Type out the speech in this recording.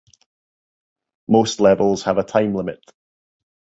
Most levels have a time limit.